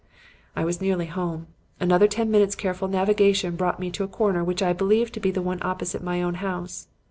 "I was nearly home. Another ten minutes' careful navigation brought me to a corner which I believed to be the one opposite my own house.